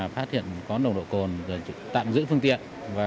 phát hiện có nồng độ cồn tạm giữ phương tiện